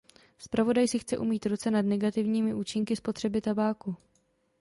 Zpravodaj si chce umýt ruce nad negativními účinky spotřeby tabáku.